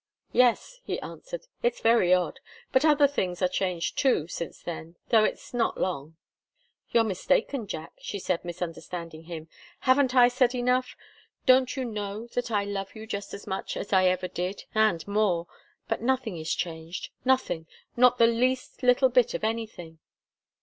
"Yes," he answered. "It's very odd. But other things are changed, too, since then, though it's not long." "You're mistaken, Jack," she said, misunderstanding him. "Haven't I said enough? Don't you know that I love you just as much as I ever did and more? But nothing is changed nothing not the least little bit of anything."